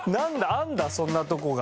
あるんだそんなとこが。